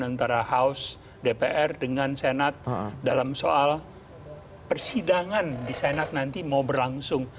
antara house dpr dengan senat dalam soal persidangan di senat nanti mau berlangsung